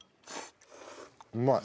うまい。